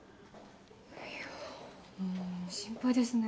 いやうん心配ですね。